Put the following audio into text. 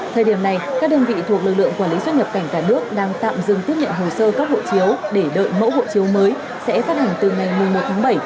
thời điểm này các đơn vị thuộc lực lượng quản lý xuất nhập cảnh cả nước đang tạm dừng tiếp nhận hồ sơ cấp hộ chiếu để đợi mẫu hộ chiếu mới sẽ phát hành từ ngày một tháng bảy